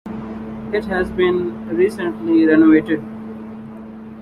It has been recently renovated.